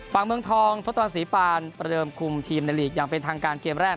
ฝั่งเมืองทองทศตวรศรีปานประเดิมคุมทีมในลีกอย่างเป็นทางการเกมแรก